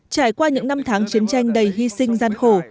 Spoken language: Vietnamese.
trải qua những năm tháng chiến tranh đầy hy sinh gian khổ